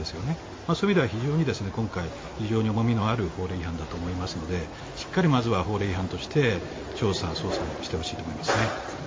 そういう意味では今回非常に重みのある法令違反だと思いますのでしっかりまずは法令違反として調査・捜査をしてほしいと思います。